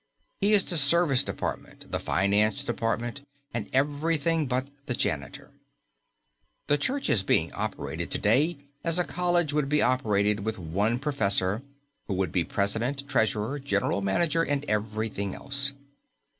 He is the service department, the finance department and everything but the janitor. The Church is being operated to day as a college would be operated with one professor, who would be president, treasurer, general manager, and everything else.